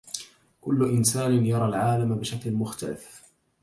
كلّ إنسان يرى العالم بشكل مختلف.